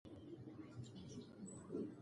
په ناول کې د اصفهان د یوه پله تصویرکشي شوې ده.